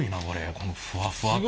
このふわふわ感が。